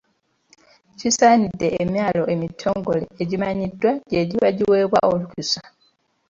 Kisaanidde emyaalo emitongole egimanyiddwa gye giba giweebwa olukusa.